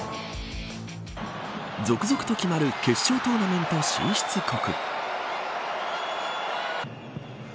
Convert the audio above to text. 続々と決まる決勝トーナメント進出国。